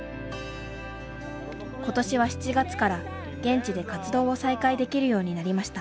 ことしは７月から現地で活動を再開できるようになりました。